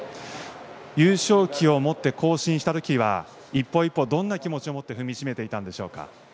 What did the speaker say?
優勝旗を持って行進した時は一歩一歩、どんな気持ちを持って踏みしめていたんでしょうか。